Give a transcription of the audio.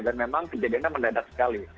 dan memang kejadiannya mendadak sekali